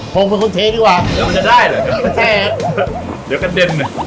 ผมเป็นคนเทดีกว่าแล้วมันจะได้เหรอไม่แทนเดี๋ยวกระเด็น